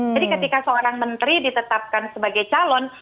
jadi ketika seorang menteri ditetapkan sebagai calon